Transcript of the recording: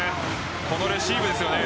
このレシーブですよね。